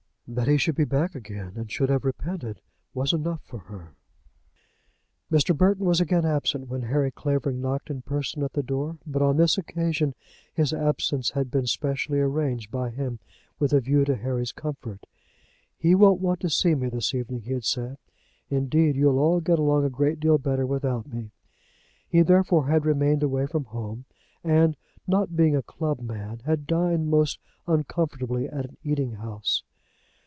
That he should be back again, and should have repented, was enough for her. Mr. Burton was again absent when Harry Clavering knocked in person at the door; but on this occasion his absence had been specially arranged by him with a view to Harry's comfort. "He won't want to see me this evening," he had said. "Indeed you'll all get on a great deal better without me." He therefore had remained away from home, and, not being a club man, had dined most uncomfortably at an eating house.